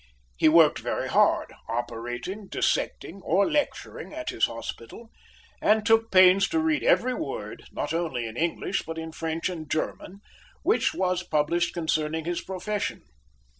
He worked very hard, operating, dissecting, or lecturing at his hospital, and took pains to read every word, not only in English, but in French and German, which was published concerning his profession.